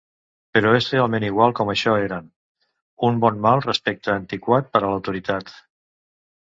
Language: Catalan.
Però és realment igual com això eren, un bon mal respecte antiquat per a l'autoritat.